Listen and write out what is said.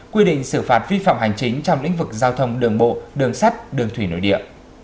quy định xử phạt vi phạm hành chính trong lĩnh vực giao thông đường bộ đường sắt đường thủy nội địa